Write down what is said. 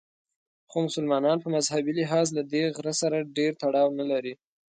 خو مسلمانان په مذهبي لحاظ له دې غره سره ډېر تړاو نه لري.